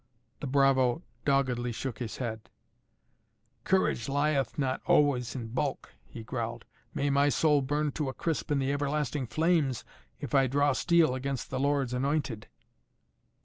The bravo doggedly shook his head. "Courage lieth not always in bulk," he growled. "May my soul burn to a crisp in the everlasting flames if I draw steel against the Lord's anointed."